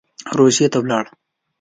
روسیې ته ولاړ.